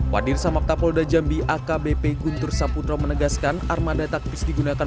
wadir samap tapol dan jambi akbp guntur saputro menegaskan armada taktis digunakan